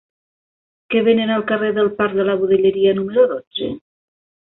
Què venen al carrer del Parc de la Budellera número dotze?